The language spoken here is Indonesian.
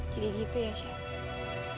jadi gitu ya syed